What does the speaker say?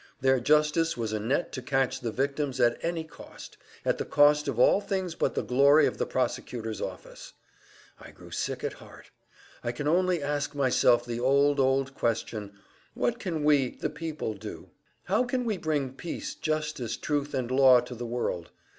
Their justice was a net to catch the victims at any cost at the cost of all things but the glory of the Prosecutor's office. I grew sick at heart. I can only ask myself the old, old question: What can we, the people do? How can we bring Peace, justice, Truth and Law to the world?